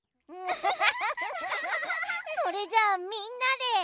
それじゃあみんなで。